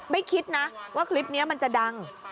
คิดนะว่าคลิปนี้มันจะดัง